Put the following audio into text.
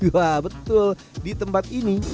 wah betul di tempat ini